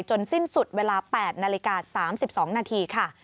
สิ้นสุดเวลา๘นาฬิกา๓๒นาทีค่ะ